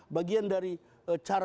bagian dari cara beliau berkomunikasi